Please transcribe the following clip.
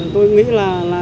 tôi nghĩ là